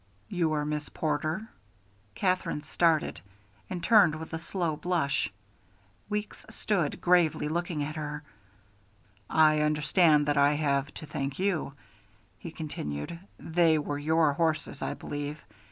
"You are Miss Porter?" Katherine started, and turned with a slow blush. Weeks stood gravely looking at her. "I understand that I have to thank you," he continued. "They were your horses, I believe.